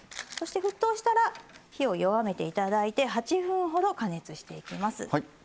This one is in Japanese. そして沸騰したら火を弱めていただいて８分ほど加熱していきます。